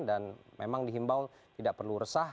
dan memang dihimbau tidak perlu resah